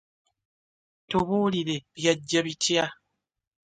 Tubuulire byajja bitya?